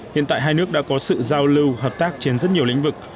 hiện tại hai nước đã có sự giao lưu hợp tác trên rất nhiều lĩnh vực